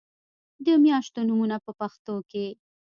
د میاشتو نومونه په پښتو کې